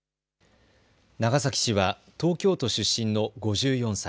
長崎氏は東京都出身の５４歳。